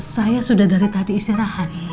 saya sudah dari tadi istirahat